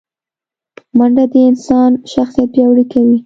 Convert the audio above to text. منډه د انسان شخصیت پیاوړی کوي